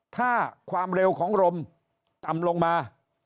ถ้าความเร็วของลมต่ำลงมา